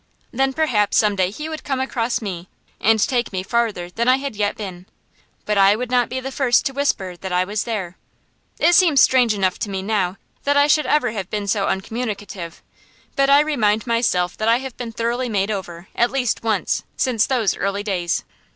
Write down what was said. Then perhaps some day he would come across me, and take me farther than I had yet been; but I would not be the first to whisper that I was there. It seems strange enough to me now that I should have been so uncommunicative; but I remind myself that I have been thoroughly made over, at least once, since those early days.